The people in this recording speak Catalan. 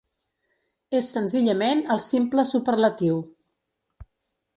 És senzillament el simple superlatiu.